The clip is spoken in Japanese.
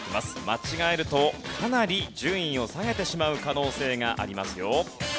間違えるとかなり順位を下げてしまう可能性がありますよ。